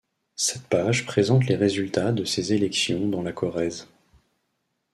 Cette page présente les résultats de ces élections dans la Corrèze.